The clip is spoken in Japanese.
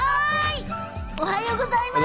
おはようございます。